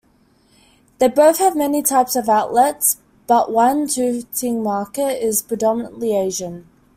They both have many types of outlets, but one, Tooting Market, is predominately Asian.